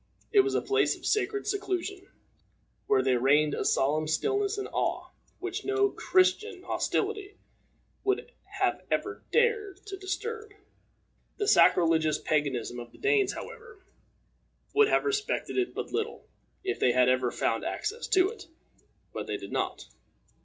It was a place of sacred seclusion, where there reigned a solemn stillness and awe, which no Christian hostility would ever have dared to disturb. The sacrilegious paganism of the Danes, however, would have respected it but little, if they had ever found access to it; but they did not.